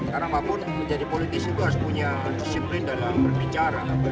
karena apapun menjadi politis juga harus punya disiplin dalam berbicara